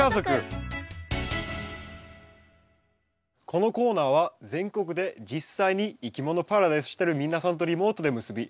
このコーナーは全国で実際にいきものパラダイスしてる皆さんとリモートで結び